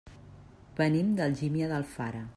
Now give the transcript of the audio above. Venim d'Algímia d'Alfara.